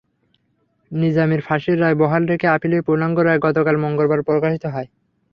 নিজামীর ফাঁসির রায় বহাল রেখে আপিলের পূর্ণাঙ্গ রায় গতকাল মঙ্গলবার প্রকাশিত হয়।